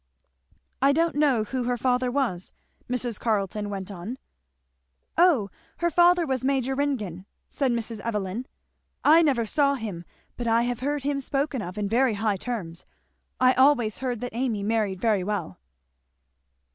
"I don't know who her father was," Mrs. Carleton went on. "O her father was Major Ringgan," said Mrs. Evelyn. "I never saw him, but I have heard him spoken of in very high terms. I always heard that Amy married very well."